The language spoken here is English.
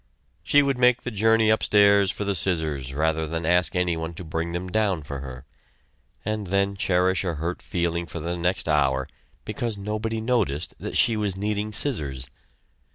She would make the journey upstairs for the scissors rather than ask anyone to bring them down for her, and then cherish a hurt feeling for the next hour because nobody noticed that she was needing scissors.